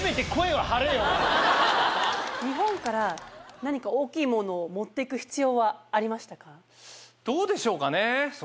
日本から何か大きいものを持ってく必要はありましたか？